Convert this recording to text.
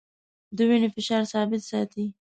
د وینې فشار ثابت ساتي.